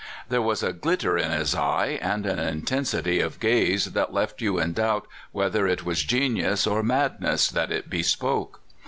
There was a glitter in his eye, and an in tensity of gaze that left you in doubt whether it was genius or madness that it bespoke.